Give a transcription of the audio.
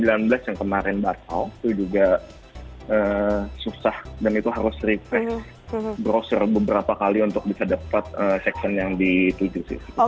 dan juga dewa sembilan belas yang kemarin batal itu juga susah dan itu harus refresh browser beberapa kali untuk bisa dapat seksen yang dituju